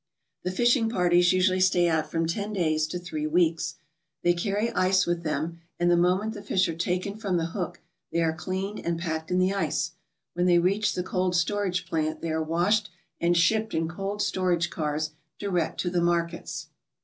The fishing parties usually stay out from ten days to three weeks. They carry ice with them, and the moment the fish are taken from the hook they are cleaned and packed in the ice. When they reach the cold storage plant they are washed and shipped in cold storage cars direct to the markets.